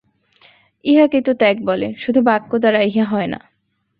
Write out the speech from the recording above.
ইহাকেই তো ত্যাগ বলে, শুধু বাক্যদ্বারা ইহা হয় না।